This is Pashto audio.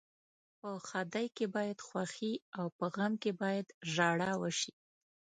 په ښادۍ کې باید خوښي او په غم کې باید ژاړا وشي.